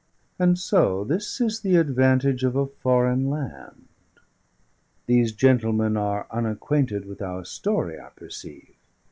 "And so this is the advantage of a foreign land! These gentlemen are unacquainted with our story, I perceive.